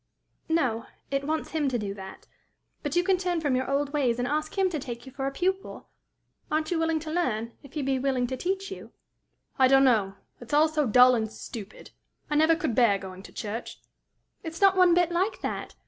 "No; it wants him to do that. But you can turn from your old ways, and ask him to take you for a pupil. Aren't you willing to learn, if he be willing to teach you?" "I don't know. It's all so dull and stupid! I never could bear going to church." "It's not one bit like that!